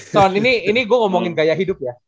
ton ini gua omongin gaya hidup ya